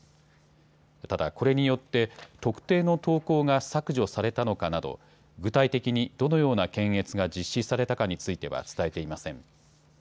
ただこれによって特定の投稿が削除されたのかなど具体的にどのような検閲が実施されたかについては伝えていません。